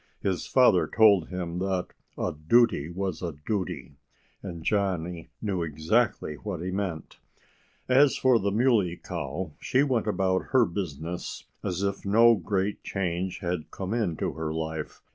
His father told him that a duty was a duty. And Johnnie knew exactly what he meant. As for the Muley Cow, she went about her business as if no great change had come into her life.